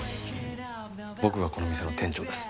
僕がこの店の店長です。